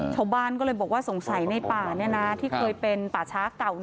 ชาวบ้านก็เลยบอกว่าสงสัยในป่าที่เคยเป็นป่าเยดแห่งที่เป็นป่าเยม่าป่าชายกาลเจ้าท่านค่ะ